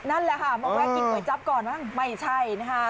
นั่นแหละค่ะมาแวะกินก๋วยจั๊บก่อนมั้งไม่ใช่นะคะ